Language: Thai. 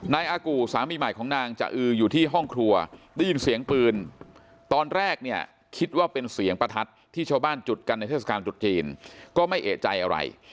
อากู่สามีใหม่ของนางจะอืออยู่ที่ห้องครัวได้ยินเสียงปืนตอนแรกเนี่ยคิดว่าเป็นเสียงประทัดที่ชาวบ้านจุดกันในเทศกาลตรุษจีนก็ไม่เอกใจอะไร